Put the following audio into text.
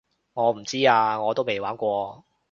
我唔知啊我都未玩過